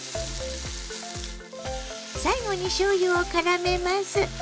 最後にしょうゆをからめます。